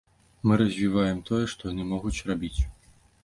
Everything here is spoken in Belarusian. Мы развіваем тое, што яны могуць рабіць.